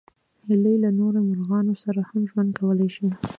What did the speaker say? هیلۍ له نورو مرغانو سره هم ژوند کولی شي